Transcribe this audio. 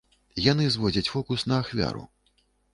Яны зводзяць фокус на ахвяру.